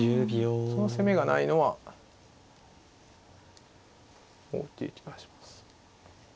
その攻めがないのは大きい気がします。